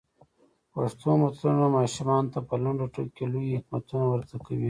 پښتو متلونه ماشومانو ته په لنډو ټکو کې لوی حکمتونه ور زده کوي.